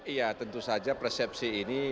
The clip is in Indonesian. iya tentu saja persepsi ini